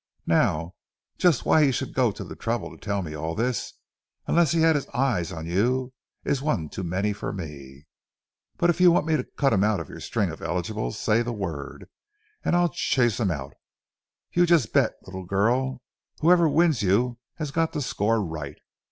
Now, just why he should go to the trouble to tell me all this, unless he had his eye on you, is one too many for me. But if you want me to cut him out of your string of eligibles, say the word, and I'll chouse him out. You just bet, little girl, whoever wins you has got to score right.